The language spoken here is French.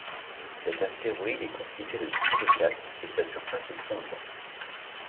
Cet astéroïde est constitué de silicates et sa surface est sombre.